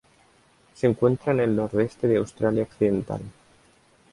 Se encuentra en el nordeste de Australia Occidental.